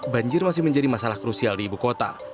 banjir masih menjadi masalah krusial di ibu kota